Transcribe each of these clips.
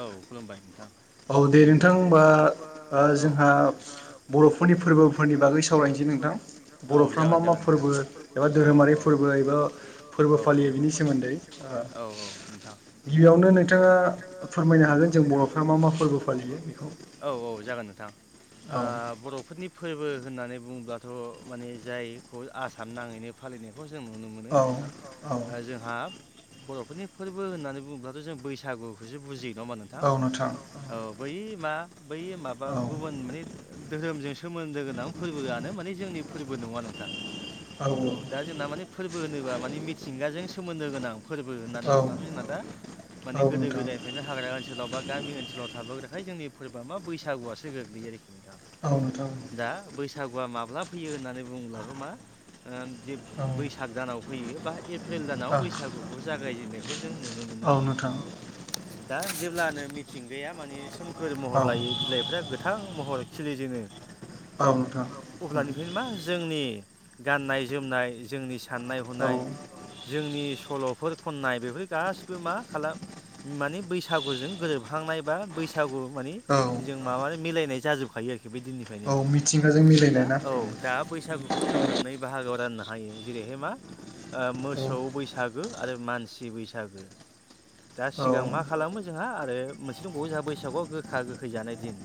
औ खुलुमबाय नोंथां। औ दे नोंथां होनबा जोंहा बर'फोरनि फोरबोफोरनि बागै सावरायनोसै। जागोन जागोन नोंथां औ औ औ औ। सोमोन्दै ओ गिबियावनो नोंथाङा फोरमायनो हागोन जों बर' फोरा मा मा फोरबो फालियो औ औ जागोन नोंथां बर'फोरनि फोरबो होननानै बुङोंब्लाथ' माने जायखौ आसाम नाङैनो फालिनाय खौ जों नुनो मोनो नोंथां जोंहा बर'फोरनि फोरबो होननानै बुङोब्लाथ' जों बैसागुखौसो बुजियो। नङा होमबा नोंथां औ बै मा बै माबा गुबुन माने धोरोमजों सोमोन्दो गोनां फोरबोआनो माने जोंनि फोरबो नङा नोंथां। औ औ दा जोंना माने फोरबो होनोब्ला माने मिथिंगाजों सोमोन्दो गोनां फोरबो होननानै बुङोब्लाथ' जोंना दा माने गो गोदो गोदायनिफ्रायनो हाग्रा ओनसोलाव बा गामि ओनसाव थाबोग्राखाय जोंनि फोरबोआ मा बैसागुआसो गोग्लैयो आरोखि दा बैसागुआ माब्ला फैयो होननानै बुंङोब्लाथ' मा ओ बे बैसाग दानाव फैयो बा एप्रिल दानाव बैसागुखौ जागायजेननायखौ जों नुनो मोनो औ नोंथां दा जेब्लानो मिथिंगाया माने सोमखोर महर लायो बिलाइफ्रा गोथां महर खिलिजेनो अब्लानिफ्रायनो मा जोंनि गाननाय जोमनाय जोंनि साननाय हनाय जोंनि सल'फोर खननाय बेफोर गासिबो मा खालाम माने बैसागुजों गोरोबहांनाय बा बैसागु मानि जों माबानाय मिलायनाय जाजोबखायो आरोखि बे दिननिफ्रायनो दा औ दा बैसागु नै बाहागोआव राननो हायो जेरैहाय मा ओ मोसौ बैसागो आरो मानसि बैसागो दा सिगां मा खालामो जोंहा आरो मोनसे दंबावो जोंहा बैसागुआव गोखा गोखै जानाय दिन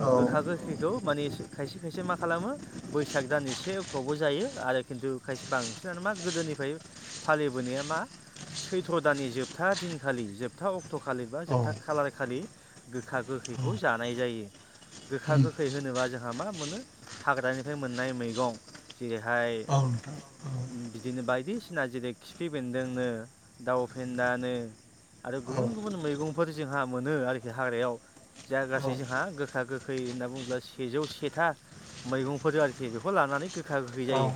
औ गोखा गोखैखौ माने खायसे खायसे मा खालामो बैसाग दान से अक्ट'आवबो जायो आरो खिन्थु खायसे बांसिनानो मा गोदोनिफ्राय फालिबोनाया मा सैथ्र' दाननि जोबथा दिनखालि जोबथा अक्ट' खालि बा जोबथा खालार खालि गोखा गोखैखौ जानाय जायो गोखा गोखै होनोबा जोंहा मा मोनो हाग्रानिफ्राय मोननाय मैगं जेरैहाय बिदिनो बायदिसिना जेरै खिफि बेन्दोंनो दाउ फेन्दानो आरो गुबुन गुबुन मैगंफोर जोंहा मोनो आरोखि हाग्रायाव जागासै जोंहा गोखा गोखै होनना बुङोब्ला सेजौ सेथा मैगंफोर आरोखि बेखौ लानानै गोखा गोखै जायो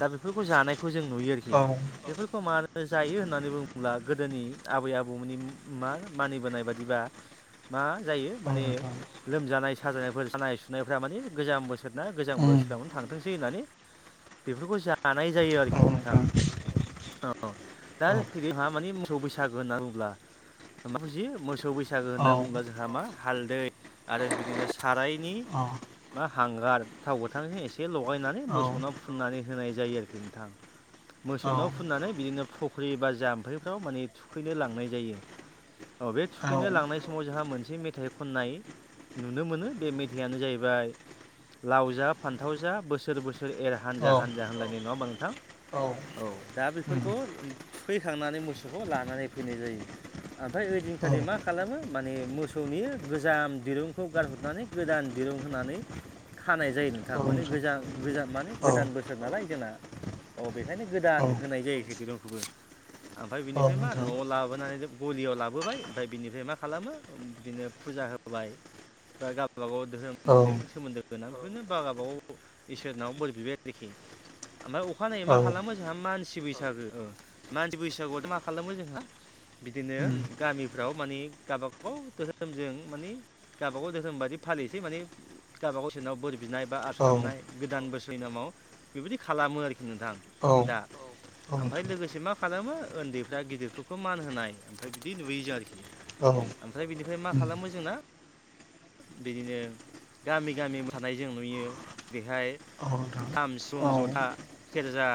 दा बेफोरखौ जानायखौ जों नुयो आरोखि बेफोरखौ मानो जायो होननानै बुङोब्ला गोदोनि आबै आबौमोननि मा मानिबोनाय बायिबा मा जायो माने लोमजानाय साजानायफोर सानाय सुनायफ्रा माने गोजाम बोसोरना गोजाम बोसोराव म थांथोंसै होननानै बेफोरखौ जानाय जायो आरोखि नोंथां औ दा फैदोंहा माने मोसौ बैसाग बैसागो होनना बुङोला मा बुजियो मोसौ बैसागो होनना बुङोब्ला जोंहा मा हालदै आरो बिदिनो सारायनि मा हांगार थाव गोथांजों एसे लगायनानै मोसौव फुननानै होनाय जायो आरोखि नोंथां मोसौनाव फुननानै बिदिनो फख्रि एबा जाम्फैफ्राव माने थुखैनो लांनाय जायो औ बे थुखैनो लांनाय समाव जोंहा मोनसे मेथाइ खननाय नुनो मोनो बे मेथाइयानो जाहैबाय लाव जा फान्थाव जा बोसोर बोसोर एर हानजा हानजा होनलायनाय नङाहोमबा नों नोंथां औ दा बेफोरखौ थुखैखांनानै मोसौ बेखौ लानानै फैनाय जायो ओमफ्राय ओइदिनखालि मा खालामो माने मोसौनि गोजाम दिरुंखौ गारहरनानै गोदान दिरुं होनानै खानाय जायो नोंथां माने गोजा गोजा माने गोदान बोसोर नालाय जोंना औ बेखायनो गोदान होनाय जायो बे दिरुंखौबो आमफ्राय बिनि फ्राय मा न' लाबोनानै गलियाव लाबोबाय ओमफ्राय बिनिफ्राय मा खालामो बिदिनो फुजा होबाय बा गावबा गाव धोरोमजों सोमोन्दो जोनाबो बेफोरनो बा गावबा गाव इसोरनाव बोर बिबाय आरोखि ओमफ्राय अखानायै मा खालामो जोंहा मानसि बैसागो मानसि बैसागुआवथ' मा खालामो जोंहा बिदिनो गामिफ्राव माने गावबा गाव धोरोमजों माने गावबा गाव धोरोम बायदि फालिनोसै माने गावबा गाव सोरनाव बोर बिनाय बा आर खालामनाय गोदान बोस नामाव बेबायदि खालामो आरोखि नोंथां दा ओमफ्राय लोगोसे मा खालामो उन्दैफ्रा गिदिरफोरखौ मान होनाय ओमफ्राय बिदि नुयो जा आरोखि ओमफ्राय बिनिफ्राय मा खालामो जोंना बिदिनो गामि गामि मोसानाय जों नुयो बेहाय खाम सिफुं जथा सेरजा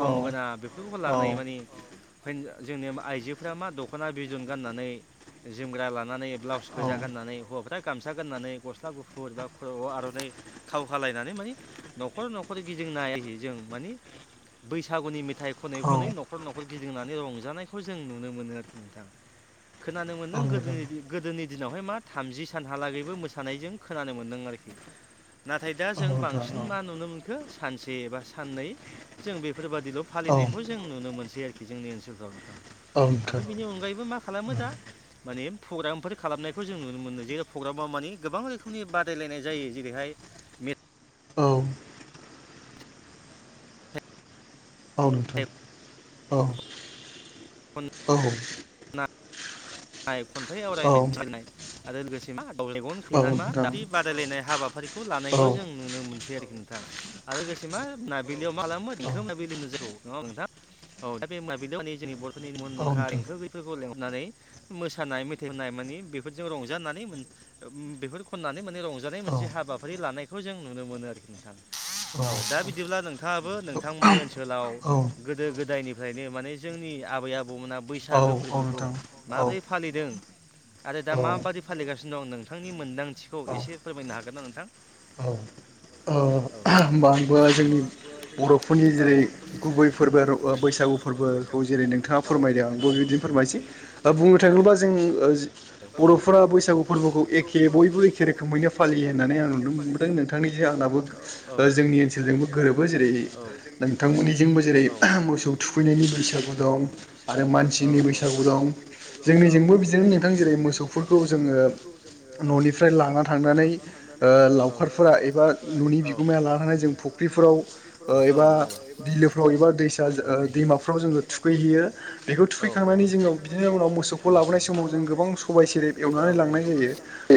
गंगोना बेफोरखौबो लानानै माने जोंनि आइजोफ मा दख'ना बिदन गाननानै जोमग्रा लानानै ब्लाउस गोजा गाननानै हौवाफ्रा गामसा गाननानै गस्ला गुफुर बा ख'रआव आर'नाइ खाव खालायनानै मान न'खर न'खर गिदिं नायै जों मानि बैसागुनि मेथाइ खनै खनै न'खर न'खर गिदिंनानै रंजानायखौ जों नुनो मोनो आरोखि नोंथां खोनानो मोन्दों गोदोनि गोदोनि दिनावहाय मा थामजि सानहालागैबो मोसानायजों खोनानो मोनदों आरो खि- नाथाय दा जों बांसिन मा नुनो मोनखो सानसे एबा साननै जों बे फोर बादिल' फालिनायखौ जों नुनो मोनसै आरोखि जोंनि ओनसोलफ्राव नोंथाङा ओमफ्राय बिनि अनगायैबो मा- खालामो दा माने प्रग्रामफोर खालामनायखौ जों नुनो मोनो जेरै प्रग्रामाव माने गोबां रोखोमनि बादायलायनाय जायो जेरैहाय मि- [unintelligible] नाय खन्थाइ आवरायनाय मनाय [inaudible] आरो लोगोसे मा दा [unintelligible] मेगन खैनानै मा दा बे बादायलायनाय हाबाफारिखौ लानायखौ जों नुनो मोनसै आरोखि नोंथां नोंथां आरो लोगोसे मा नाबिलियाव मा खालामोन देंखो मोनाबिलिनो जायखौ नङा नोंथां औ- दा बे माबिलियाव माने जोंनि बर'फोरनि मुदांखा देंखोगिरिफोरखौ लेंहरनानै मोसानाय मेथाइ खनाय माने बेफोरजों रंजानानै ओ- बेफोर खननानै माने रंजानाय मोनसे हाबा हाबाफारि लानायखौ जों नुनो मोनो आरोखि नोंथा औ- दा बिदिब्ला नोंथाङाबो नोंथांमोननि ओनसोलाव गोदो गोदायनिफ्रायनो माने जोंनि आबै आबौमोना बैसागो फोरबोखौ माबोरै फालिदों आरो दा माबादि फालिगासिनो दं नोंथांनि मोन्दांथिखौ एसे फोरमायनो हागोन ना नोंथां औ- होनबा आंबो जोंनि बर'फोरनि जेरै गुबै फोरबो ओ- बैसागु फोरबो खौ जेरै नोंथाङा फोरमायदों आंबो बिदिनो फोरमायसै बुंनो थाङोब्ला जों ओ जि। बर'फोरा बैसागु फोरबोखौ एखे बयबो एखे रोखोमैनो फालियो होननानै आं नुनो मोनदों नोंथांनि। जि आंनाबो। जोंनि ओनसोलजोंबो गोरोबो जेरै नोंथांमोननिजोंबो जेरै मोसौ थुखैनायनि बैसागु। थुखैनि बैसागु दं मानसिनि बैसागु दं जोंनिथिं। बिजोंनो नोंथां जेरै मोसौफोरखौ जोङो न'निफ्राय लाना थांनानै ओ। बा नुनि। माया ल हानानै जों फुख्रिफोराव एबा बिलोफ्राव एबा दैसा दैमाफ्राव जों। थुखैहैयो बेखौ थुखैखांनानै जोङो बिदिनो उनाव मोसौखौ लाबोनाय समाव। जों गोबां सबाइ सेरेब एवनानै लांनाय जायो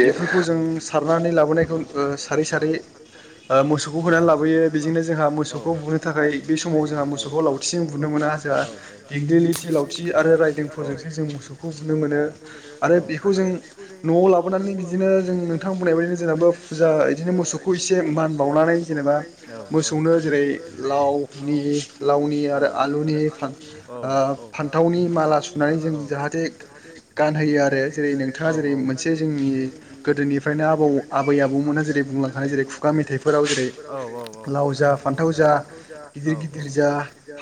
बेफोरखौ जों सारनानै लाबोनायखौ ओ सारै सारै। औ सारै सारै। ओ मोसौखौ होनानै लाबोयो बेजोंनो जोंहा मोसौखौ बुनो थाखाय बे समाव जोंहा मोसौखौ लावथिजों बुनो मोना। जोङा दिगलि लिथि लावथि आरो रायदोंफोरजोंसो जों मोसौखौ बुनो मोन। मोनो आरो बेखौ जों न'आव लाबोनानै बिदिनो जों नोंथां बुंनाय बायदिनो जोंनाबो फुजा। नो दिनो मोसौखौ इसे मान बाव। मान बावनानै जेनेबा मोसौनो जेरै लावनि लनि ओ आरो। फान्थावनि माला सुनानै जों जाहाथे। जाहाथे गानहोयो आरो नोंथाङा जेरै मोनसे जोंनि गोदोनिफ्रायनो आबौ। मोनहा जेरै बुंलांखानाय जेरै खुगा मेथाइफोर। खुगा मेथाइफोराव लाव जा फान्थाव जा उदै गिदिर जा।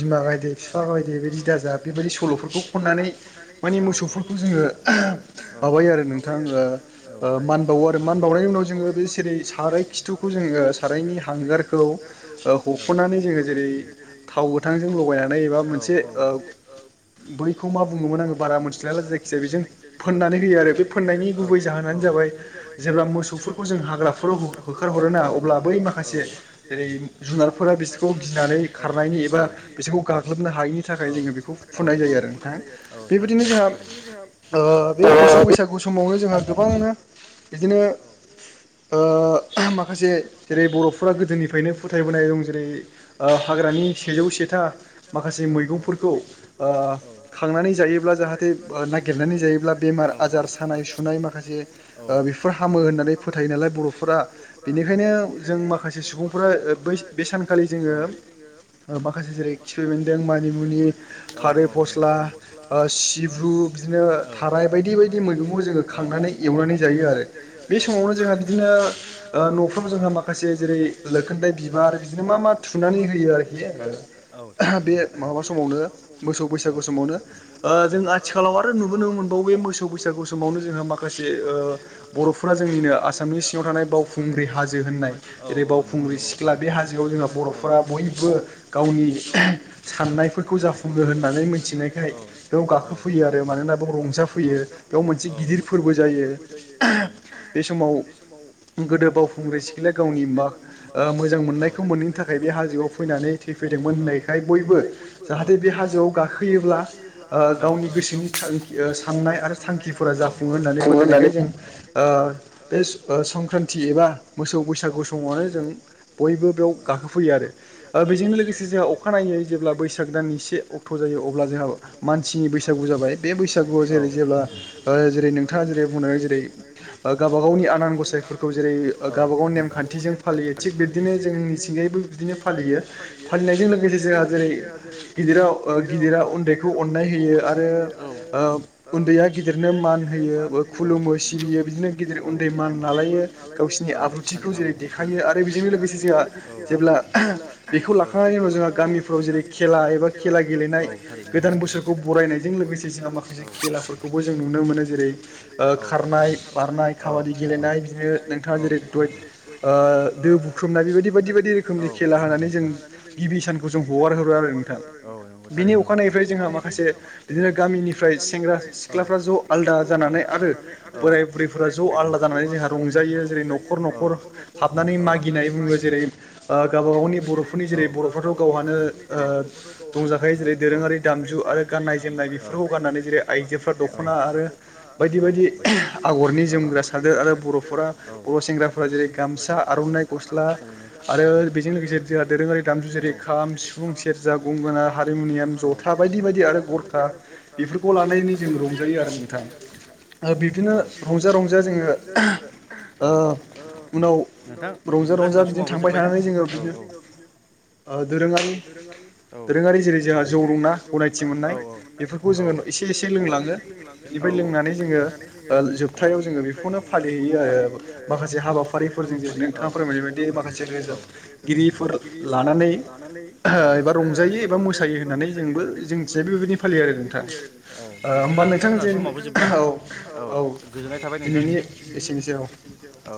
बिमा गायदे बिफा गायदे बिदि दाजा बेबायदि सल'फोरखौ खननानै। मोसौफोरखौ जोङो माबायो आरो नोंथां मान बावो। खावनायनि उनाव जोङो बे जेरै साराय खि सिथु जोङो सारायनि हांगारखौ हख'नानै जोङो जेरै थाव गोथांजों। गोथांजों लगायनानै मोनसे बैखौ मा बु बुङोमोन आंङो बारा मोनथिला जायखि जाया बे फनानै हो आरो बे फनायनि गुबै जाहोनानो जाबाय एबा मोसौफोरखौ जों हाग्राफोराव। बोखारहर ना अब्ला बै माखासे जेरै जुनारफोरा बिसोरखौ गिनानै खारनायनि एबा। बिसेखौ गा खालामोबनो हायिनि थाखाय जोङो बेखौ फुननाय जायो आरो नोंथाङा बेबायदिनो जोंहा ओ बे मो। मोसौ बैसागु समावनो जोंहा गोबाङानो बिदिनो ओ। माखासे जेरै बर'फोरा गोदोनिफ्रायनो फोथायबोनाय दं जेरै ओ हाग्रानि सेजौ से। जौसे था। माखासे मैगंफोरखौ ओ खांनानै जायोब्ला जाहाथे नागिरनानै जायोब्ला बेमार आजार आजार सानाय सुनाय माखासे ओ बेफोर हामो होननानै फोथायो नालाय बर'फोरा। बेनिखायनो जों माखासे सुबुंफोरा बै बे सानखालि जोङो माखासे जेरै [unintelligible] मानि मुनि खारै फस्ला ओ सिब्रु बिदिनो थाराय बायदि बायदि। बायदि बायदि मैगंखौ जोङो खांनानै एवनानै जायो आरो बे समावनो जोंहा बिदिनो। ओ न'फ्राव जोंहा माखासे जेरै लोखोन्दाय बिबार बिदिनो मा मा थुनानै होयो आरोखि। औ थारैनो औ। माबा समावनो मोसौ बैसागु समावनो ओ जों आथिखालाव आरो नुबोनो मोनबावो बे मोसौ बैसागु। फ समावनो जोङो माखासे बर'फोरा जोंनिनो आसामनि सिङाव थानाय बाव। बावखुंग्रि हाजो होननाय जेरै बावखुंग्रि सिख्ला बे हाजोआव जोंहा बर'फोरा बयबो गावनि। गावनि। साननायफोरखौ जाफुङो होननानै मिथिनायखाय बेयाव गाखोफैयो आरो मानोना बेयाव रंजाफैयो। फैयो बेयाव मोनसे गिदिर फोरबो जायो बे समाव। गोदो बावखुंग्रि सिख्लाया गावनि म ओ मोजां मोननायखौ मोनैनि थाखाय बे हाजोआव फैनानै थैफै। थैदोंमोन होननायखाय बयबो। जाहाथे बे हाजोआव गाखोयोब्ला गावनि गोसोनि साननाय आरो थांखिफोरा जाफुंयो मोननायखाय ज्ञों ओ खान्थि एबा मोसौ बैसागु समावनो जों बयबो बेयाव गाखोफैयो आरो बेजों लोगोसे जों अखानायनायै जों जेब्ला बैसाग दाननि से अक्ट' जायो अब्ला जोंहा मानसिनि बैसागु जाबाय बे बैसागुआव जेरै जेब्ला ओ जेरै नोंथाङा जेरै बुंनो जेरै गावबा गावनि आनान गसाइफोर जेरै गावबा गाव नेमखान्थिजों फालियो थिग बिबदिनो जोंनिथिंगायैबो बिदिनो फालियो फालि नायजों लोगोसे जो हाजेरै गिदिराव गिदिरा उन्दैखौ अन्नाय होयो आरो उन्दैया गिदिरनो मान होयो खुलुमो सिबियो बिदिनो गिदिर उन्दै मान रायलायो। मायो गसनि आबुथिखौ जेरै देखायो आरो बेजों लोगोसे जेब्ला औ जोंहा गामिफ्राव जेरै खेला एबा खेला गेलेनाय गोदान बोसोरखौ बरायनायजों लोगोसे जोंहा माखासे खेलाफोरखौबो जों नुनो मोनो नुनो मोनो जेरै खारनाय बारनाय खाबादि गेलेनाय बिनो नोंथाङा जेरै दो बुख्रुमनाय बेबायदि बायदि बायदि रोखोमनि खेला होनानै जों बे सानखौ ज्ञों हगारो। नोंथाङा बिनि अखानायैफ्राय जोंहा माखासे बिदिनो गामिनिफ्राय सेंग्रा सिख्लाफ्रा ज आलदा जानानै आरो बोराय बुरैफोरा ज' आलदा जानानै जोंहा रंज्ञा जायो जेरै न'खर न'खर हाबनानै मागिनाय बुङो जेरै गावबाागावनि बर'फोरनि जेरै बर'फ्राथ' गावहानो दंजाखायो जेरै दोरोङारि दामजु जेरै दों ओरै दामजु आरो गाननाय जोमनाय बिफोरखौफोरखौ गाननानै जेरै आइजोफोर दख'ना आरो बायदि बायदि जोमग्रा सादोर आरो बर' बर' सेंग्राफोरा जेरै गामसा आर'नाइ गस्ला आरो बेजों लोगोसे जोंहा दोरोङारि दामजु जेरै खाम सिफुं सेरजा गंगोना हारमुनियाम जथा बायदि बायदि आरो गरखा बेफोरखौ लानानै जों रंजायो आरो नोंथां बिबदिनो रंजा रंजा रंजा रंजा जोङो उनाव रंजा रंजा बिदिनो थांबाय थानानै थांबाय थानो जयाव बिनो दोरोङारि दोरोङारि जेरै जोंहा जौ रंना गनायथि मोननाय बेफोरखौ जोङो एसे एसे लोंलाङो बिनिफ्राय लोंनानै जोङो जोबथायाव जोङो बेखौनो माखासे हाबाफारिफोरजों जे नोंथाङा फोरमायनाय बायदि माखासे रोजा [unintelligible] लानानै एबा रंजायो एबा मोसायो होननानै जोंबो बिदिब्ला नोंथां जोंना समाबबो जोब्बाय औ गोजोननाय थाबाय नोंथांनिसिम औ